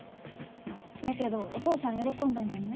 だけどお父さん喜んだんじゃない？